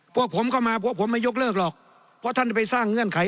พวกผมเข้ามาพวกผมไม่ยกเลิกหรอกเพราะท่านไปสร้างเงื่อนไข